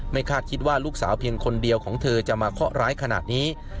คาดคิดว่าลูกสาวเพียงคนเดียวของเธอจะมาเคาะร้ายขนาดนี้